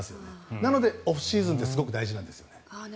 なのでオフシーズンってすごく大事なんです。